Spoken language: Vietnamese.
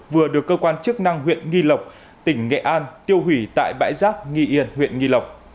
vừa được cơ quan chức năng huyện nghi lộc tỉnh nghệ an tiêu hủy tại bãi giác nghi yên huyện nghi lộc